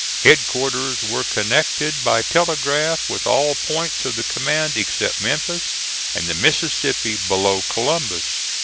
Headquarters were connected by telegraph with all points of the command except Memphis and the Mississippi below Columbus.